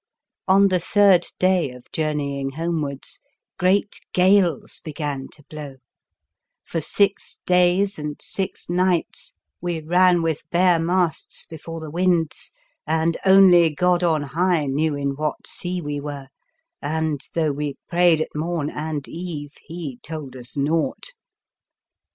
On the third day of journeying homewards great gales began to blow ; for six days and six nights we ran with bare masts before the winds, and only God on high knew in what sea we were, 8 The Fearsome Island and, though we prayed at morn and eve, He told us naught.